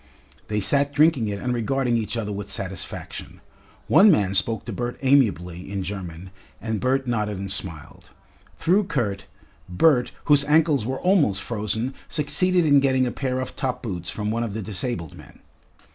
They sat drinking it and regarding each other with satisfaction. One man spoke to Bert amiably in German, and Bert nodded and smiled. Through Kurt, Bert, whose ankles were almost frozen, succeeded in getting a pair of top boots from one of the disabled men.